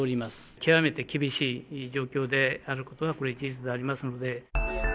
極めて厳しい状況であることは、これ事実でありますので。